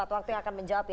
waktu yang akan menjawab ya